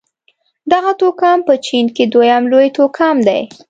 دغه توکم په چين کې دویم لوی توکم دی.